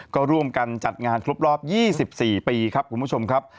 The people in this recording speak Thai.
ก็ร่วมกันจัดงานครบรอบ๒๔ปีครับคุณผู้ชมครับ